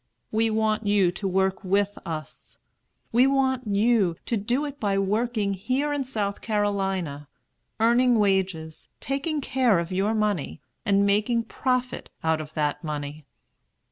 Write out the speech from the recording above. We want you to work with us. We want you to do it by working here in South Carolina, earning wages, taking care of your money, and making profit out of that money.